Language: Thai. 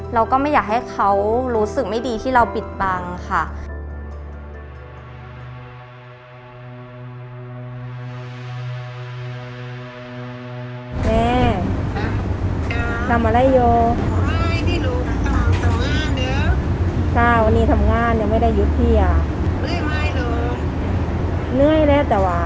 เราก็ไม่อยากให้เขารู้สึกไม่ดีที่เราปิดบังค่ะ